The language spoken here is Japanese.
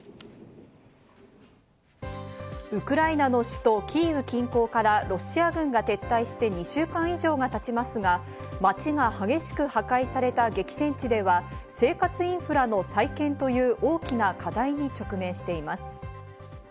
ウクライナの首都キーウ近郊からロシア軍が撤退して２週間以上が経ちますが、街が激しく破壊された激戦地では生活インフラの再建という大きな課題に直面しています。